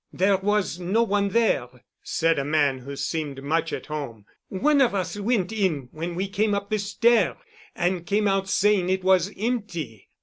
"There was no one there," said a man who seemed much at home. "One of us went in when we came up the stair and came out saying it was empty.